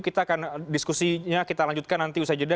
kita akan diskusinya kita lanjutkan nanti usai jeda